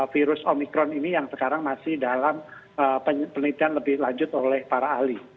virus omikron ini yang sekarang masih dalam penelitian lebih lanjut oleh para ahli